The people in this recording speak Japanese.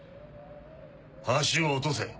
橋を落とせ！